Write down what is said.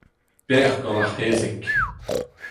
Bec'h gant ar c'hezeg.